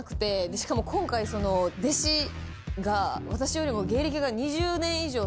しかも今回弟子が私よりも。